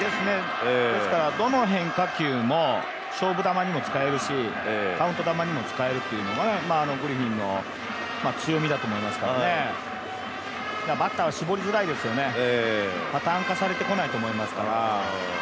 ですから、どの変化球も勝負球に使えるし、カウント球にも使えるっていうのはグリフィンの強みだと思いますのでバッターは絞りづらいですよね、パターン化されてこないと思いますから。